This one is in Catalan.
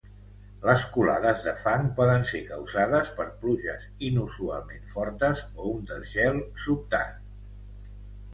Les colades de fang poden ser causades per pluges inusualment fortes o un desgel sobtat.